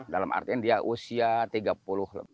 dalam artian dia usia tiga puluh tahun